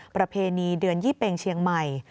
ประเพณีเดือนยี่เป็งเชียงใหม่